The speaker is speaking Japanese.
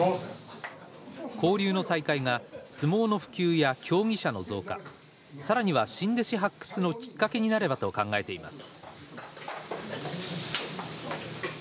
交流の再開が相撲の普及や競技者の増加さらには、新弟子発掘のきっかけになればと考えています。